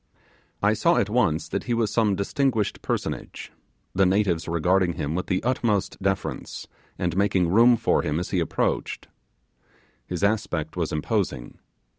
I saw at once that he was some distinguished personage, the natives regarding him with the utmost deference, and making room for him as he approached. His aspect was imposing.